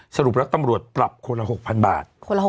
สรุปแล้วตำรวจปรับคนละ๖๐๐๐บาท